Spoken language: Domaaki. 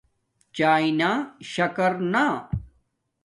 چاݵے نا شکر نا